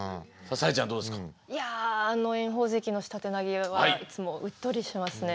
あの炎鵬関の下手投げはいつもうっとりしますね。